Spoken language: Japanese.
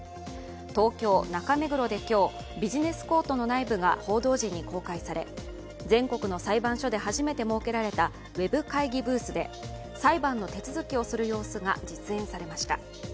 東京・中目黒で今日、ビジネス・コートの内部が報道陣に公開され全国の裁判所で初めて設けられたウェブ会議ブースで裁判の手続きをする様子が実演されました。